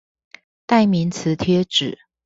代名詞貼紙